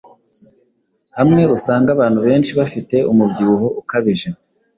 hamwe usanga abantu benshi bafite umubyibuho ukabije